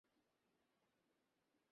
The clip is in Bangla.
তাহলে আমার উপর অনুগ্রহ করুন।